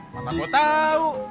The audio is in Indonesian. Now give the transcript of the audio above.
mama mau tahu